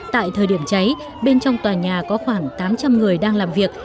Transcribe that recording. tại thời điểm cháy bên trong tòa nhà có khoảng tám trăm linh người đang làm việc